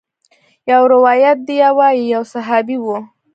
يو روايت ديه وايي يو صحابي و.